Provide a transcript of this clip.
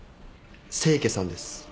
清家さんです。